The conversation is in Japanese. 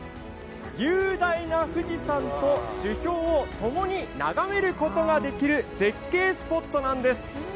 雄大な富士山と樹氷をともに眺めることができる絶景スポットなんです。